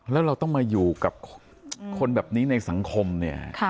แล้วเราต้องมาอยู่กับคนแบบนี้ในสังคมเนี่ย